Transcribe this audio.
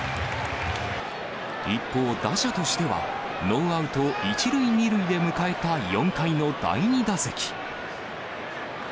一方、打者としては、ノーアウト１塁２塁で迎えた４回の第２打席。